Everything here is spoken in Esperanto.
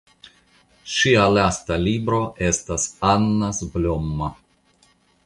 Ŝia lasta libro estas "Annas blomma".